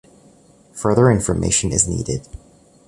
Further information is needed.